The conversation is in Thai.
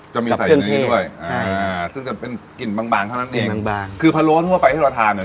จะมีใส่อย่างนี้ด้วยอ่าซึ่งจะเป็นกลิ่นบางบางเท่านั้นเองบางบางคือพะโล้ทั่วไปที่เราทานเนี่ย